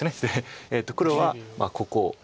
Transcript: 黒はここ。